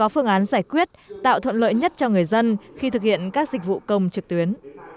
phương án giải quyết tạo thuận lợi nhất cho người dân khi thực hiện các dịch vụ công trực tuyến